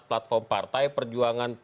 platform partai perjuangan